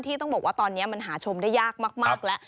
ต้องบอกว่าตอนนี้มันหาชมได้ยากมากแล้ว